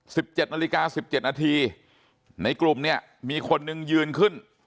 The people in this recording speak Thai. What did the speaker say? สิบเจ็ดนาฬิกาสิบเจ็ดนาทีในกลุ่มเนี่ยมีคนนึงยืนขึ้น